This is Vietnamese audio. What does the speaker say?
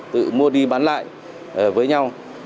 tự mua đi bán lại với nhau